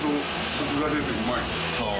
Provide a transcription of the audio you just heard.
コクが出てうまいです。